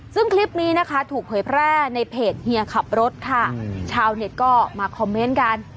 ซึ่งคลิปนี้นะคะถูกเผยแพร่ในเพจเฮียขับรถค่ะชาวเน็ตก็มาคอมเมนต์กัน